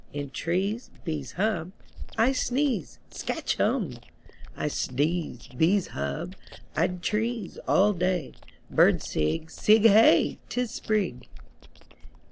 In trees Bees hum I sneeze Skatch Humb!! I sdeeze. Bees hub. Id trees All day Birds sig. Sig Hey! 'Tis Sprig!